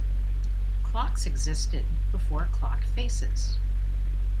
Clocks existed before clock faces.